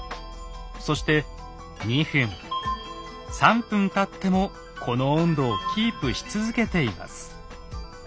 そして２分３分たってもこの温度をキープし続けています。